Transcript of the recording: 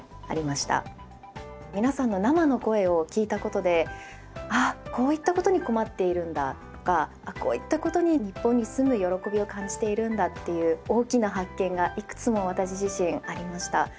皆さんの生の声を聴いたことでああこういったことに困っているんだとかあこういったことに日本に住む喜びを感じているんだっていう大きな発見がいくつも私自身ありました。